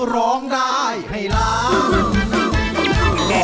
ร้องได้ให้ล้าน